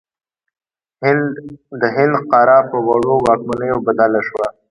د هند قاره په وړو واکمنیو بدله شوه.